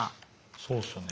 そうっすね。